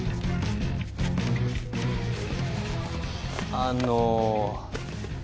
あの。